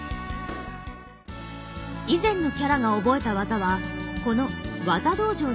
以前のキャラが覚えた技はこの技道場に残されている。